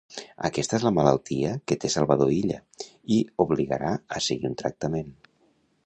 Aquesta és la malaltia que té Salvador Illa i obligarà a seguir un tractament